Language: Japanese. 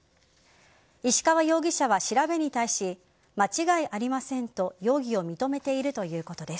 石川容疑者は調べに対し間違いありませんと容疑を認めているということです。